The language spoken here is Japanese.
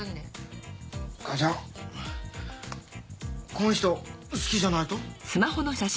この人好きじゃないと？